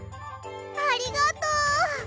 ありがとう。